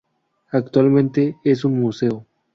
Actualmente es un Museo.